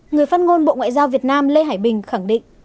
người phát ngôn bộ ngoại giao việt nam lê hải bình khẳng định